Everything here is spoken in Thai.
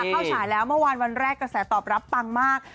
ฉายแล้วเมื่อวานวันแรกกระแสตอบรับปังมาก